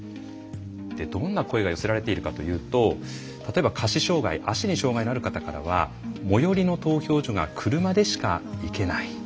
どんな声が寄せられているかというと例えば下肢障害足に障害のある方からは「最寄りの投票所が車でしか行けない」。